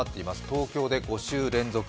東京で５週連続。